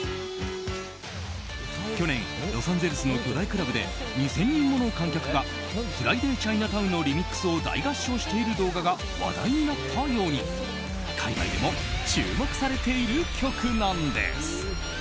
去年、ロサンゼルスの巨大クラブで２０００人もの観客が「フライディ・チャイナタウン」のリミックスを大合唱している動画が話題になったように海外でも注目されている曲なんです。